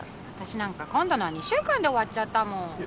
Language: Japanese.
私なんか今度のは２週間で終わっちゃったもん。